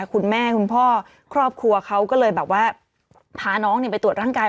คุณพ่อครอบครัวเขาก็เลยแบบว่าพาน้องไปตรวจร่างกาย